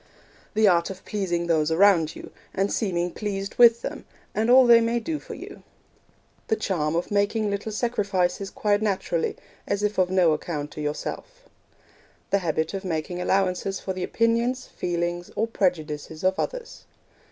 The art of pleasing those around you, and seeming pleased with them, and all they may do for you. The charm of making little sacrifices quite naturally, as if of no account to yourself. The habit of making allowances for the opinions, feelings, or prejudices of others.